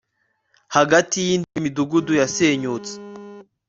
hagati y iyindi midugudu yasenyutse